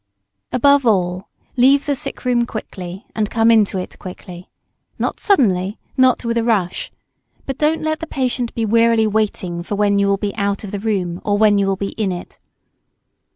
Above all, leave the sick room quickly and come into it quickly, not suddenly, not with a rush. But don't let the patient be wearily waiting for when you will be out of the room or when you will be in it.